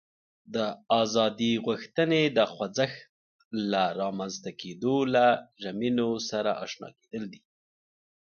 د ازادي غوښتنې د خوځښت له رامنځته کېدو له ژمینو سره آشنا کېدل دي.